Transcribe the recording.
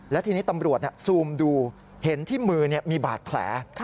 และทีนี้ตำรวจซูมดูเห็นที่มือมีบาดแผล